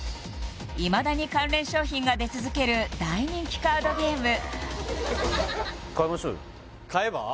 いまだに関連商品が出続ける大人気カードゲーム買えば？